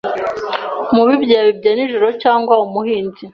Umubibyi Yabibye nijoro Cyangwa umuhinzi